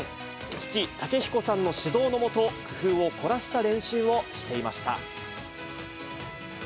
父、武彦さんの指導の下、工夫を凝らした練習をしていました。